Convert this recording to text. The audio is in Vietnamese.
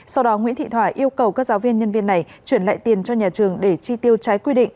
sau đó nguyễn thị thỏa yêu cầu các giáo viên nhân viên này chuyển lại tiền cho nhà trường để chi tiêu trái quy định